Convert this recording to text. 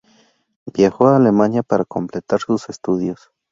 Viajó a Alemania para completar sus estudios.